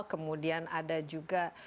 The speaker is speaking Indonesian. kemudian ada juga